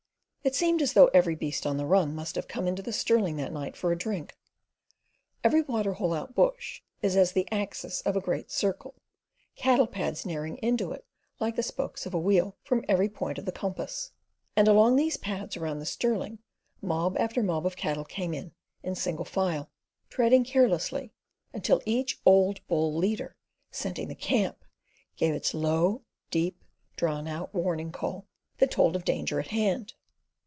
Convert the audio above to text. It seemed as though every beast on the run must have come in to the Stirling that night for a drink. Every water hole out bush is as the axis of a great circle, cattle pads narrowing into it like the spokes of a wheel, from every point of the compass, and along these pads around the Stirling mob after mob of cattle came in in single file, treading carelessly, until each old bull leader, scenting the camp, gave its low, deep, drawn out warning call that told of danger at hand.